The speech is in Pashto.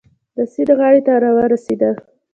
د سیند غاړې ته را ورسېدو.